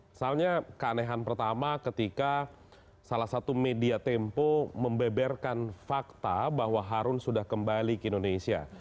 misalnya keanehan pertama ketika salah satu media tempo membeberkan fakta bahwa harun sudah kembali ke indonesia